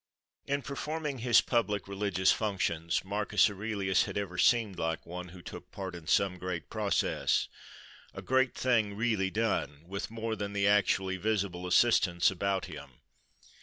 In performing his public religious functions Marcus Aurelius had ever seemed like one who took part in some great process, a great thing really done, with more than the actually visible assistants about him.